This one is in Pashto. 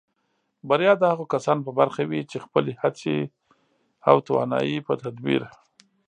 بریا د هغو کسانو په برخه وي چې خپلې هڅې او توانایۍ په تدبیر